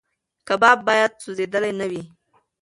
کباب باید سوځېدلی نه وي.